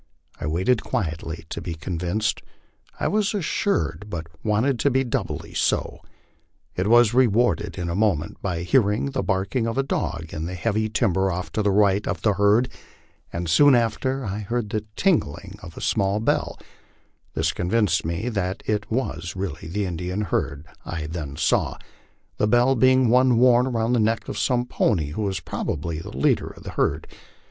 I waited quietly to be convinced ; I was assured, but wanted to be doubly so. I was rewarded in a moment by hearing the barking of a dog in the heavy timber off to the right of the herd, and soon after I heard the tinkling of a LIFE ON THE PLAINS. 150 small bell; this convinced me that it was really the Indian herd I then saw, the bell being one worn around the neck of some pony who was probably the leader of the herd.